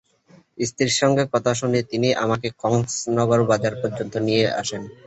স্ত্রীর সঙ্গে কথা শুনে তিনি আমাকে কংস নগর বাজার পর্যন্ত নিয়ে আসেন।